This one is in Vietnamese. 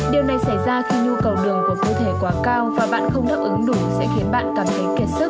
điều này xảy ra khi nhu cầu đường của cơ thể quá cao và bạn không đáp ứng đủ sẽ khiến bạn cảm thấy kiệt sức